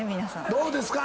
どうですか？